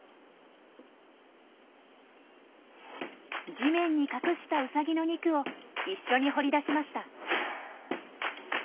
地面に隠したウサギの肉を一緒に掘り出しました。